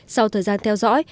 sau thời gian theo dõi